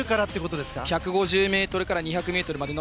１５０ｍから２００ｍまで。